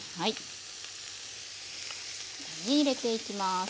入れていきます。